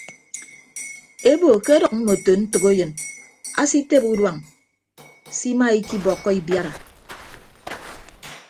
Ebo ke adʌk mmoto ntәkeyịn asitebe uduañ simaikibọkọ ibiara.